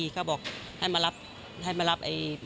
เขาบอกให้มารับ